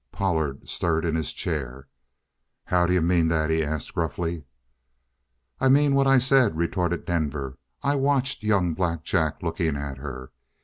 Pollard stirred in his chair. "How d'you mean that?" he asked gruffly. "I mean what I said," retorted Denver. "I watched young Black Jack looking at her.